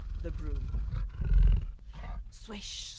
THE BROOM Swish!